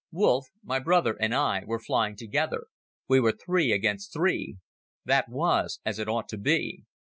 Wolff, my brother and I, were flying together. We were three against three. That was as it ought to be.